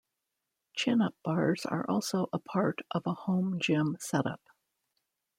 Chin up bars are also a part of a home gym setup.